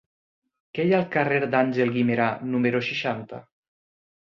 Què hi ha al carrer d'Àngel Guimerà número seixanta?